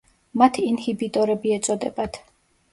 მათ ინჰიბიტორები ეწოდებათ.